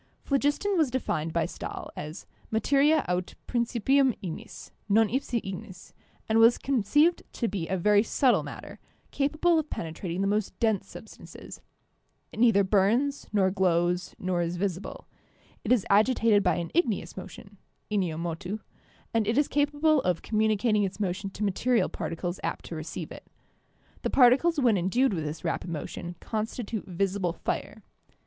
Phlogiston was defined by Stahl as "materia aut prin cipium ignis, non ipse ignis," and was conceived to be ' k a very subtle matter, capable of penetrating the most dense substances; it neither burns, nor glows, nor is visible; it is agitated by an igneous motion ('igneo motu'), and it is capable of communicating its motion to material particles apt to receive it. The particles when endued with this rapid motion constitute visible fire.